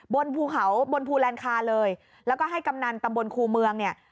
บนภูเขาบนภูแลนคาเลยแล้วก็ให้กำนันตำบลครูเมืองเนี่ย